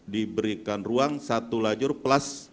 diberikan ruang satu lajur plus bahu jalan